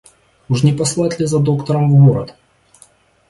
Уж не послать ли за доктором в город?